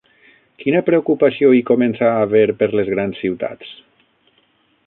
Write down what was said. Quina preocupació hi comença a haver per les grans ciutats?